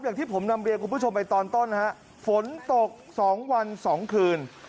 อย่างที่ผมนำเรียนคุณผู้ชมไปตอนต้นฮะฝนตก๒วัน๒คืน